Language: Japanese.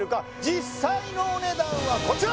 実際のお値段はこちら！